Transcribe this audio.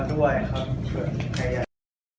สวัสดีครับ